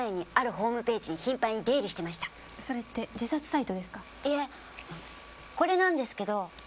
これなんですけど。